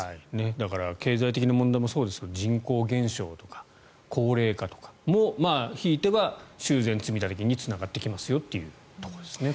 だから経済的な問題もそうですが人口減少とか高齢化とかもひいては修繕積立金につながってきますよというところですね。